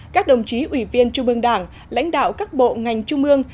các đồng chí ủy viên trung ương đảng lãnh đạo các bộ ngành trung ương